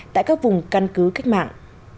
tại các vùng căn cứ cách mạng